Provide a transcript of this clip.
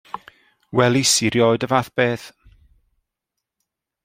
Welis i rioed y fath beth.